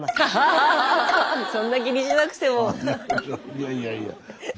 いやいやいや。